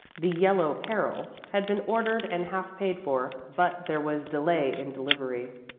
"The Yellow Peril" had been ordered and half paid for, but there was delay in delivery.